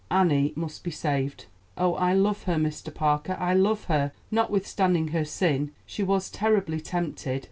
Annie must be saved. Oh, I love her, Mr. Parker; I love her, notwithstanding her sin. She was terribly tempted.